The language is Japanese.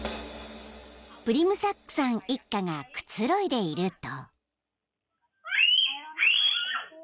［プリムサックさん一家がくつろいでいると］